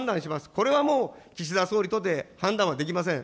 これはもう、岸田総理とて判断はできません。